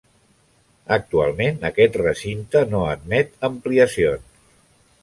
Actualment aquest recinte no admet ampliacions.